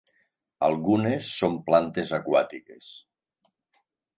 Algunes són plantes aquàtiques.